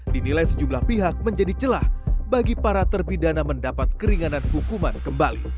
dinilai sejumlah pihak menjadi celah bagi para terpidana mendapat keringanan hukuman kembali